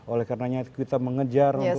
oleh karena kita mengejar untuk membangun